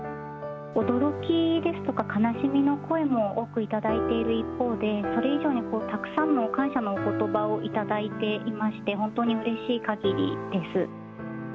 驚きですとか、悲しみの声も多く頂いている一方で、それ以上にたくさんの感謝のおことばを頂いていまして、本当にうれしいかぎりです。